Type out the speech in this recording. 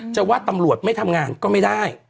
จะว่าตำรวจไม่ทำงานก็ไม่ได้